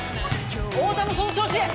太田もその調子！